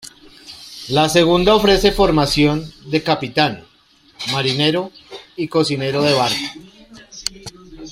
La segunda ofrece formación de capitán, marinero y cocinero de barco.